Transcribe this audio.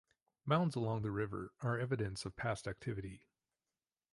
Mounds along the river are evidence of past activity.